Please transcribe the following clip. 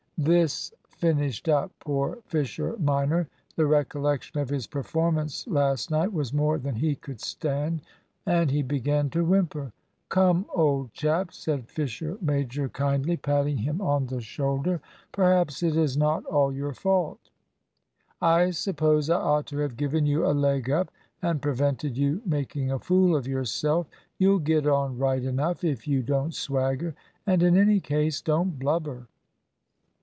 This finished up poor Fisher minor. The recollection of his performance last night was more than he could stand, and he began to whimper. "Come, old chap," said Fisher major, kindly, patting him on the shoulder; "perhaps it's not all your fault. I suppose I ought to have given you a leg up, and prevented you making a fool of yourself. You'll get on right enough if you don't swagger. And in any case, don't blubber."